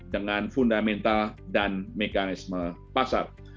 dengan fundamental dan mekanisme pasar